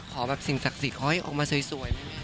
ขอแบบสิ่งศักดิ์สิทธิ์ขอให้ออกมาสวย